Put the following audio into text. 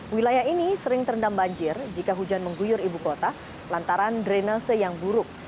wilayah ini sering terendam banjir jika hujan mengguyur ibu kota lantaran drenase yang buruk